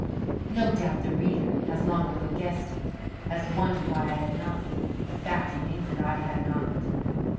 No doubt the reader has long ago guessed it has wondered why I had not. The fact remains that I had not.